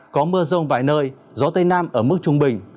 có mưa rông vài nơi gió tây nam ở mức trung bình